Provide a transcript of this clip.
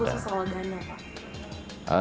khusus soal dana pak